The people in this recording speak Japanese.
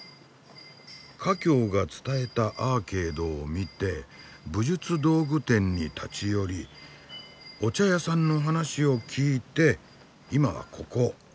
華僑が伝えたアーケードを見て武術道具店に立ち寄りお茶屋さんの話を聞いていまはここ。